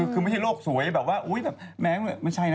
คือไม่ใช่โรคสวยแบบว่าแมงไม่ใช่นะ